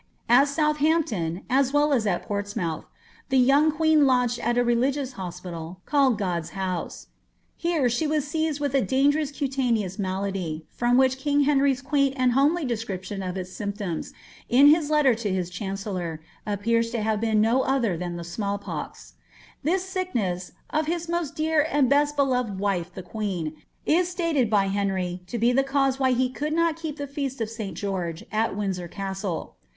At S<mlhampton, as well as at Portsmouth, the youiii; queen lodgetl in a relii;ious hospital, called Ginlde^s Hous.' Ili re she was seized with a dan{rt*n)us cutaneous nialady, wliirh from kini; HcMiry^s quaint and homely description of its symptoms, in his letttT to liis cliancellor, appears to have b(>en no other tiian the small pox' This sickness of his most dear and best beloved wife the <|ucen '' is stated by Henry lo be the cause why he could not krep the feast of St. George, at ^Viruisor Castle.'